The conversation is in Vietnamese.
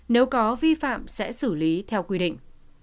nếu có vi phạm sẽ xử lý theo quy định